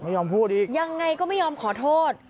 ไม่ยอมพูดอีกยังไงก็ไม่ยอมขอโทษ